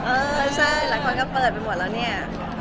เออใช่หลายคนก็เปิดไปหมดแล้วเนี่ย